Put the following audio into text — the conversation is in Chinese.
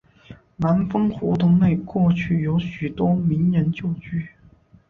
南丰胡同内过去有许多名人旧居。